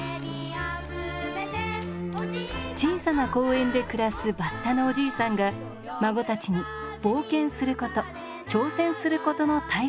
小さな公園で暮らすバッタのおじいさんが孫たちに「冒険すること挑戦することの大切さ」を伝える内容。